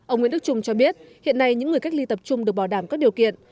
ông nguyễn đức trung cho biết hiện nay những người cách ly tập trung được bảo đảm các điều kiện